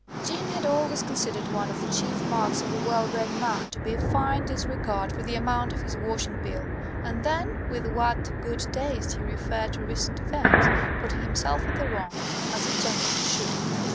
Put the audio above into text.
Jeanne had always considered one of the chief marks of a well bred man to be a fine disregard for the amount of his washing bill; and then with what good taste he referred to recent events putting himself in the wrong, as a gentleman should!